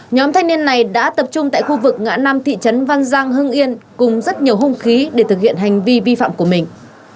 nhóm thanh niên này đã tập trung tại khu vực ngã năm thị trấn văn giang hưng yên cùng rất nhiều hung khí để thực hiện hành vi vi phạm của mình